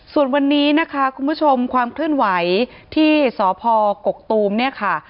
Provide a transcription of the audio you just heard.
ส่วนวันนี้นะคะคุณผู้ชมความเคลื่อนไหวที่สพกกตูมเนี่ยค่ะ